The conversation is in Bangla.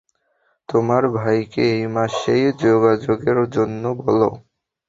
তোমার ভাইকে এই মাসেই যোগাযোগের জন্য বলো।